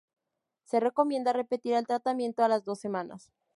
Se recomienda repetir el tratamiento a las dos semanas.